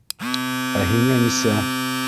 Ә һиңә нисә?